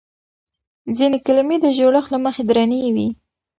ځينې کلمې د جوړښت له مخې درنې وي.